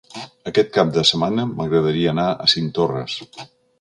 Aquest cap de setmana m'agradaria anar a Cinctorres.